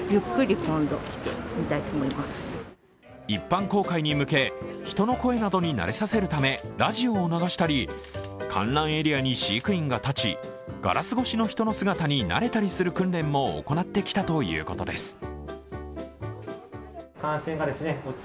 一般公開に向け人の声などになれさせるためラジオを流したり観覧エリアに飼育員が立ちガラス越しの人の姿になれたりする訓練も行ってきたということです。